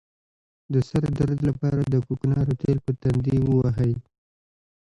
د سر درد لپاره د کوکنارو تېل په تندي ووهئ